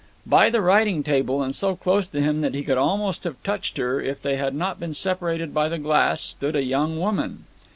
By the writing table, and so close to him that he could almost have touched her if they had not been separated by the glass, stood a young woman.